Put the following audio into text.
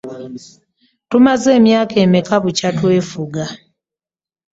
Tumaze emyaka emeka bukya twefuga?